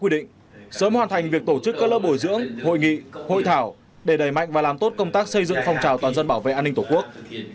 đề mạnh và làm tốt công tác xây dựng phong trào toàn dân bảo vệ an ninh tổ quốc